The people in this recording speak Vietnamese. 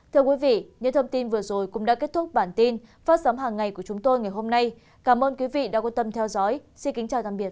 thưa quý vị những thông tin vừa rồi cũng đã kết thúc bản tin phát sóng hàng ngày của chúng tôi ngày hôm nay cảm ơn quý vị đã quan tâm theo dõi xin kính chào tạm biệt